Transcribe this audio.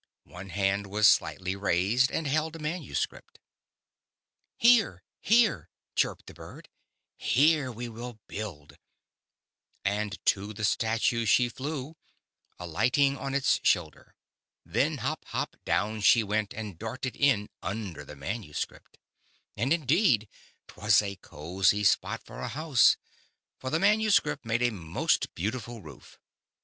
One hand was slightly raised and held a manuscript. " Here, here," chirped the Bird, "here we will build," and to the Statue she flew, alighting on its shoulder. Then hop, hop, down she went and darted in under the manuscript. And indeed 't was a cozy spot for a house, for the manuscript made a most beautiful roof.